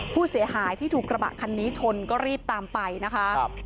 ผู้เสียหายที่ถูกกระบะคันนี้ชนก็รีบตามไปนะคะ